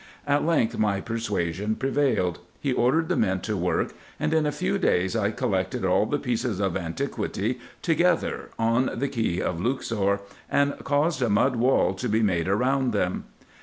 At length my persuasions prevailed ; he ordered the men to work ; and in a few days I collected all the pieces of antiquity together on the quay of Luxor ; and caused a mud wall to be made round them.